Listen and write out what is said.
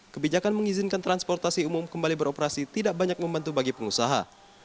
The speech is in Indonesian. kebijakan mengizinkan transportasi umum kembali beroperasi tidak banyak membantu bagi pengusaha